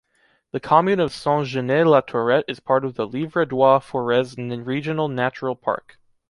The commune of Saint-Genès-la-Tourette is part of the Livradois-Forez regional natural park.